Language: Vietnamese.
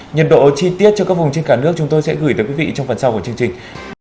nhiệt độ chi tiết cho các vùng trên cả nước chúng tôi sẽ gửi tới quý vị trong phần sau của chương trình